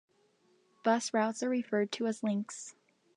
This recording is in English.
Bus routes are referred to as Links.